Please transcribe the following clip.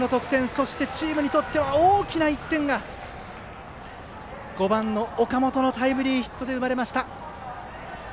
そして、チームにとっては大きな１点が５番、岡本のタイムリーヒットで生まれました。